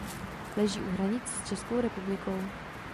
Leží u hranic s Českou republikou.